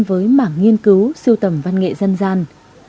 với mảng nghiên cứu siêu tầm văn nghệ dân gian